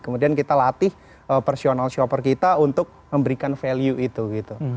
kemudian kita latih personal shopper kita untuk memberikan value itu gitu